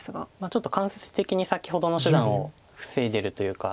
ちょっと間接的に先ほどの手段を防いでるというか。